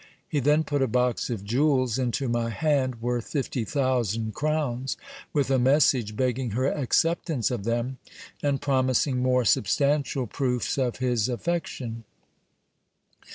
He then put a box of jewels into my hand, worth fifty thousand crowns, with a message begging her acceptance of them, and promising more substantial proofs of his affection.